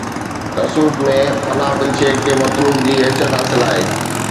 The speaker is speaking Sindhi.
تصوف ۾ فنا في الشيخ کي مطلوب جي حيثيت حاصل آهي.